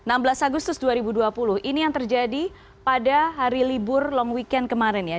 enam belas agustus dua ribu dua puluh ini yang terjadi pada hari libur long weekend kemarin ya